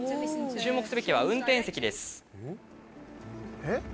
注目すべきは運転席です！